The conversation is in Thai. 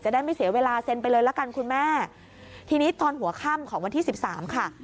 ได้ไม่เสียเวลาเซ็นไปเลยละกันคุณแม่ทีนี้ตอนหัวค่ำของวันที่สิบสามค่ะ